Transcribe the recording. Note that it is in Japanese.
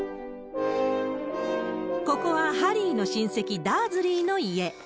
ここはハリーの親戚、ダーズリーの家。